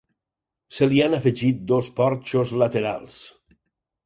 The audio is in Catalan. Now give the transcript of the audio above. Se li han afegit dos porxos laterals.